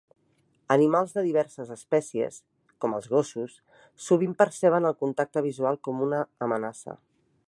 Animals de diverses espècies, com els gossos, sovint perceben el contacte visual com a una amenaça.